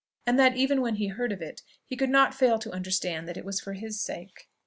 and that, when he heard of it, he could not fail to understand that it was for his sake.